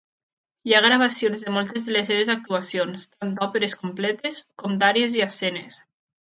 Hi ha gravacions de moltes de les seves actuacions, tant d'òperes completes, com d'àries i escenes.